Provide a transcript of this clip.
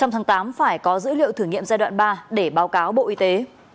trong tháng tám phải có dữ liệu thử nghiệm giai đoạn ba để báo cáo bộ y tế